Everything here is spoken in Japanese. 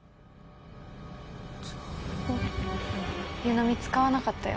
湯飲み使わなかったよ。